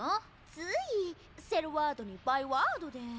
ついセルワードにバイワードで。